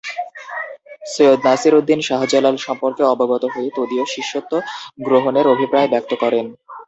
সৈয়দ নাসির উদ্দীন শাহ জালাল সম্পর্কে অবগত হয়ে তদীয় শিষ্যত্ব গ্রহণের অভিপ্রায় ব্যক্ত করেন।